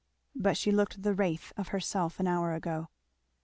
But she looked like the wraith of herself an hour ago.